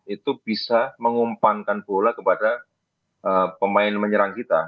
itu bisa mengumpankan bola kepada pemain menyerang kita